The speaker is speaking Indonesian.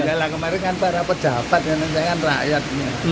enggak lah kemarin kan para pejabat dan rakyat